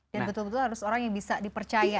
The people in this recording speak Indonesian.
dan betul betul harus orang yang bisa dipercaya ya